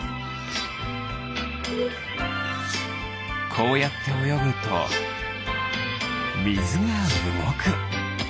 こうやっておよぐとみずがうごく。